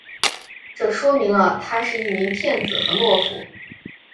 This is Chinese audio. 这说明了他是一名骗子和懦夫。